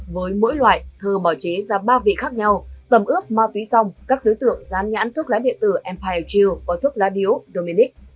với mỗi loại thơ bảo chế ra ba vị khác nhau tầm ướp ma túy xong các đối tượng dán nhãn thuốc lá điện tử empire ju có thuốc lá điếu dominic